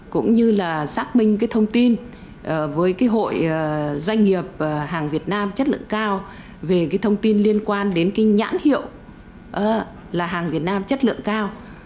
cũng như là xác minh cái thông tin với cái hội doanh nghiệp hàng việt nam chất lượng cao về cái thông tin liên quan đến cái nhãn hiệu là hàng việt nam chất lượng cao